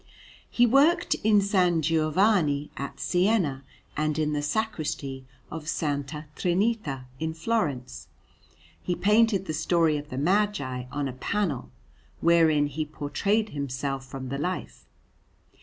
He worked in S. Giovanni at Siena; and in the Sacristy of S. Trinita in Florence he painted the Story of the Magi on a panel, wherein he portrayed himself from the life.